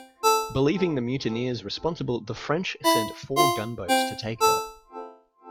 Believing the mutineers responsible, the French send four gunboats to take her.